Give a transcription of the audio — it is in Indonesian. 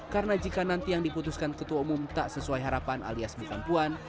karena jika nanti yang diputuskan ketua umum tak sesuai harapan alias bukan puan